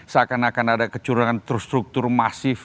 seakan akan ada kecurangan terstruktur masif